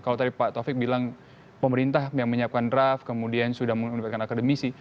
kalau tadi pak taufik bilang pemerintah yang menyiapkan draft kemudian sudah menggunakan akademisi